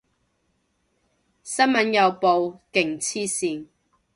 新聞有報，勁黐線